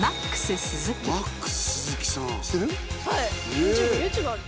ＹｏｕＴｕｂｅある？